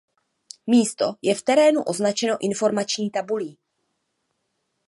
Místo je v terénu označeno informační tabulí.